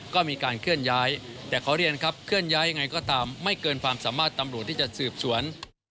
ก็มีการเคลื่อนย้ายแต่ขอเรียนครับเคลื่อนย้ายยังไงก็ตามไม่เกินความสามารถตำรวจที่จะสืบสวน